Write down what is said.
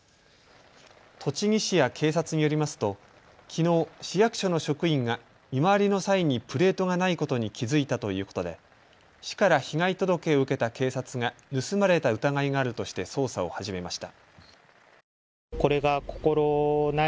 栃木市や警察によりますときのう、市役所の職員が見回りの際にプレートがないことに気付いたということで市から被害届けを受けた警察が盗まれた疑いがあるとして捜査を始めました。